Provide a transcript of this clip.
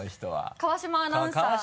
川島アナウンサー。